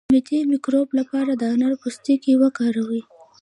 د معدې د مکروب لپاره د انار پوستکی وکاروئ